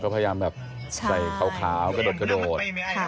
ก็พยายามใส่ข่าวกระโดด